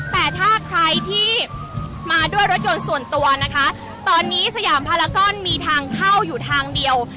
แต่ถ้าใครที่มาด้วยรถยนต์ส่วนตัวนะคะตอนนี้สยามพารากอนมีทางเข้าอยู่ทางเดียว